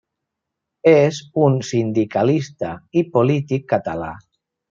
És un sindicalista i polític català.